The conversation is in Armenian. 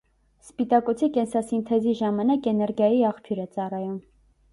Սպիտակուցի կենսասինթեզի ժամանակ էներգայի աղբյուր է ծառայում։